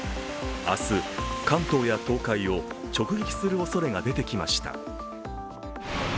明日、関東や東海を直撃するおそれが出てきました。